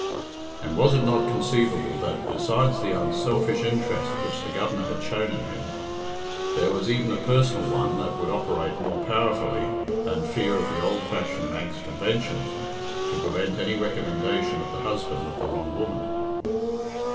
And was it not conceivable that, besides the unselfish interest which the Governor had shown in him, there was even a personal one that would operate more powerfully than fear of the old fashioned Manx conventions to prevent any recommendation of the husband of the wrong woman?